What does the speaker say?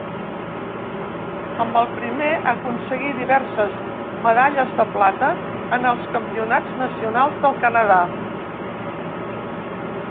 Amb el primer aconseguí diverses medalles de plata en els campionats nacionals del Canadà.